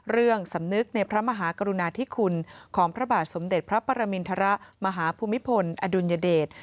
สำนึกในพระมหากรุณาธิคุณของพระบาทสมเด็จพระปรมินทรมาหาภูมิพลอดุลยเดช